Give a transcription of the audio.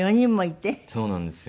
そうなんですよ。